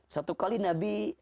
satu kali nabi